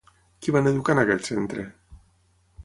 Qui van educar en aquest centre?